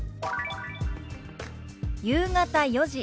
「夕方４時」。